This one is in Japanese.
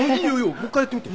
もう一回やってみて。